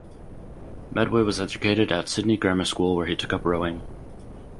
Medway was educated at Sydney Grammar School where he took up rowing.